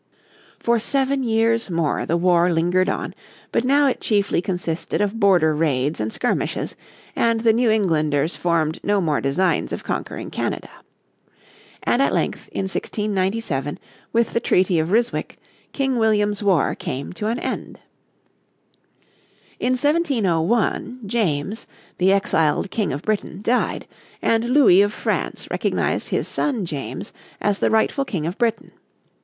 For seven years more the war lingered on, but now it chiefly consisted of border raids and skirmishes, and the New Englanders formed no more designs of conquering Canada. And at length in 1697, with the Treaty of Ryswick, King William's War came to an end. In 1701 James, the exiled King of Britain, died; and Louis of France recognised his son James as the rightful King of Britain.